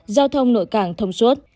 giao thông nội cảng thông suốt